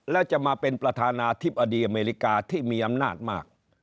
แล้วจะมาเป็นประธานาธิบดีอเมริกาที่มีอำนาจมาก